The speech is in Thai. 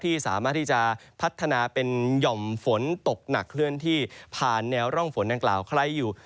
สามารถที่จะพัฒนาเป็นหย่อมฝนตกหนักเคลื่อนที่ผ่านแนวร่องฝนดังกล่าวใครอยู่